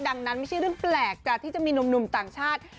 ดังนั้นไม่ใช่เรื่องแปลกจ้ะที่จะมีหนุ่มต่างชาติ